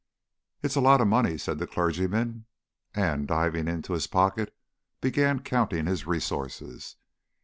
"It's a lot of money," said the clergyman, and, diving into his pocket, began counting his resources.